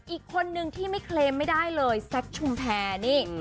อีกคนนึงที่ไม่เคลมไม่ได้เลยแซคชุมแพรนี่